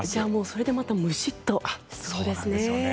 それでまたムシッとしそうですね。